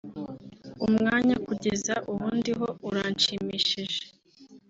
umwanya kugeza ubu ndiho uranshimishije